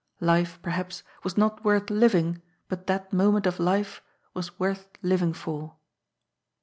Life, perhaps, was not worth living, but that moment of life was worth living for.